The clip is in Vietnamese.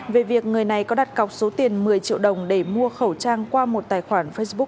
về việc người này có đặt cọc số tiền một mươi triệu đồng để mua khẩu trang qua một tài khoản facebook